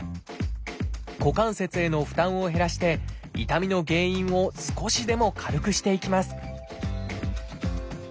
股関節への負担を減らして痛みの原因を少しでも軽くしていきます